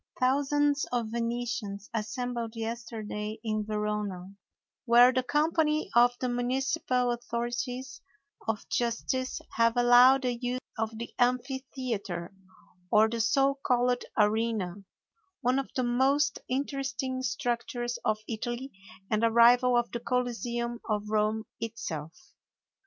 Thousands of Venetians assembled yesterday in Verona, where the company of the municipal authorities of justice have allowed the use of the amphitheater, or the so called arena, one of the most interesting structures of Italy, and a rival of the Coliseum of Rome itself.